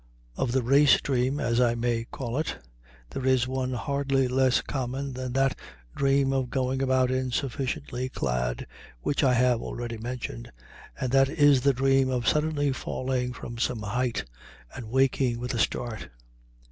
Of the race dream, as I may call it, there is one hardly less common than that dream of going about insufficiently clad, which I have already mentioned, and that is the dream of suddenly falling from some height and waking with a start.